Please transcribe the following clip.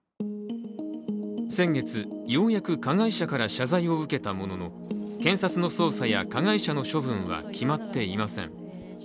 先月、ようやく加害者から謝罪を受けたものの検察の捜査や加害者の処分は決まっていません